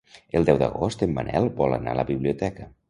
El deu d'agost en Manel vol anar a la biblioteca.